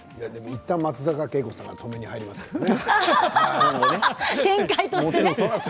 いったん松坂慶子さんが止めに展開としてね。